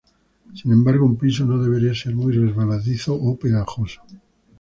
Sin embargo, un piso no debería de ser muy resbaladizo o pegajoso.